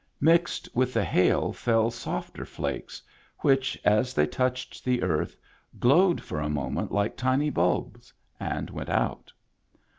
Mixed with the hail fell softer flakes, which, as they touched the earth, glowed for a moment like tiny bulbs, and went out.